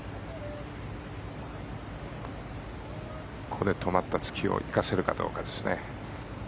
ここで止まったツキを生かせるかどうかですね。